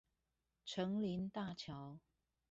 城林大橋